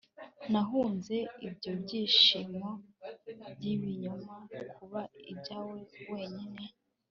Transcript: nahunze ibyo byishimo by'ibinyoma kuba ibyawe wenyine